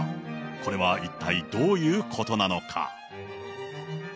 これは一体どういうことなのか。